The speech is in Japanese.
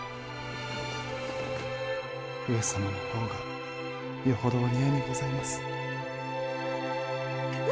上様の方がよほどお似合いにございます。